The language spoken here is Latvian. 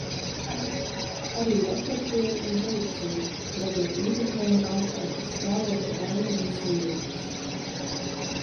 Arī reportieri un policija, radot īpatnēju ārkārtas stāvokļa ainu un sajūtas.